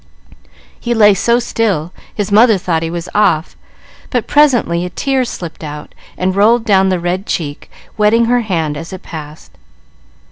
He lay so still his mother thought he was off, but presently a tear slipped out and rolled down the red cheek, wetting her hand as it passed.